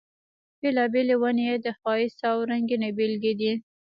بېلابېلې ونې یې د ښایست او رنګینۍ بېلګې دي.